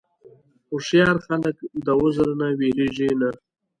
هوښیار خلک د عذر نه وېرېږي نه.